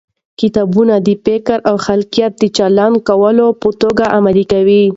کتابونه د فکر او خلاقیت د چلوونکي په توګه عمل کوي.